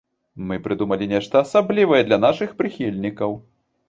Мы прыдумалі нешта асаблівае для нашых прыхільнікаў!